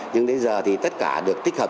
nhưng đến giờ thì tất cả được tích hợp